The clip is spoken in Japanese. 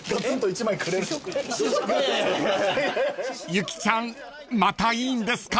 ［ゆきちゃんまたいいんですか？］